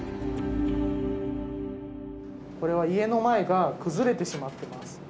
これは家の前が崩れてしまってます。